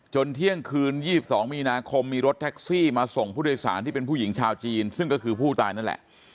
เที่ยงคืน๒๒มีนาคมมีรถแท็กซี่มาส่งผู้โดยสารที่เป็นผู้หญิงชาวจีนซึ่งก็คือผู้ตายนั่นแหละ